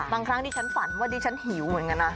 ครั้งนี้ฉันฝันว่าดิฉันหิวเหมือนกันนะ